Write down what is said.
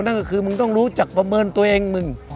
นั่นก็คือมึงต้องรู้จักประเมินตัวเองมึง